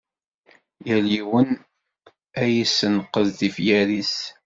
Yal yiwen ad yessenqed tifyar-is.